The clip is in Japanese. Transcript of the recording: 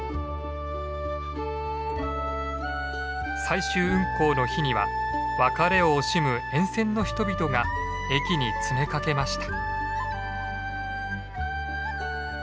最終運行の日には別れを惜しむ沿線の人々が駅に詰めかけました。